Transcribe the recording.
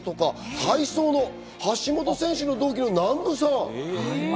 体操の橋本選手の同期の南部さん。